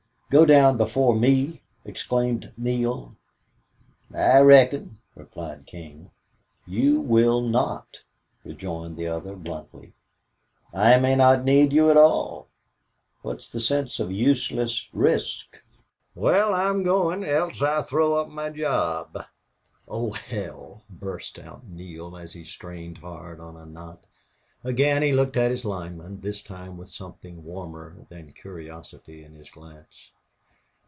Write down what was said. "Go down before me!" exclaimed Neale. "I reckon," replied King. "You will not," rejoined the other, bluntly. "I may not need you at all. What's the sense of useless risk?" "Wal, I'm goin' else I throw up my job." "Oh, hell!" burst out Neale as he strained hard on a knot. Again he looked at his lineman, this time with something warmer than curiosity in his glance.